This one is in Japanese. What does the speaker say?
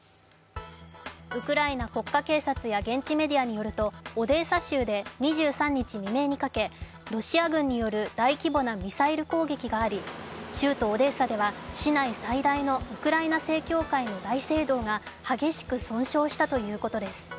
ウクライナ国家警察や現地メディアによるとオデーサ州で２３日未明にかけロシア軍による大規模なミサイル攻撃があり州都オデーサでは市内最大のウクライナ正教会の大聖堂が激しく損傷したということです。